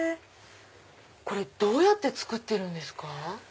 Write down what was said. どうやって作ってるんですか？